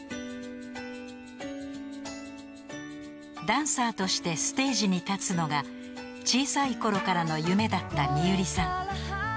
［ダンサーとしてステージに立つのが小さい頃からの夢だったＭＩＹＵＲＩさん］